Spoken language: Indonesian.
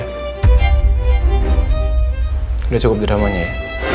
kita cukup dramanya ya